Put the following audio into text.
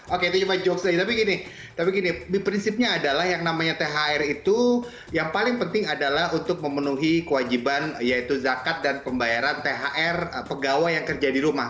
oke itu cuma jokes saja tapi gini tapi gini prinsipnya adalah yang namanya thr itu yang paling penting adalah untuk memenuhi kewajiban yaitu zakat dan pembayaran thr pegawai yang kerja di rumah